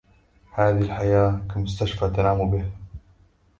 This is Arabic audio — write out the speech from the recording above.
هذي الحياة كمستشفى تنام به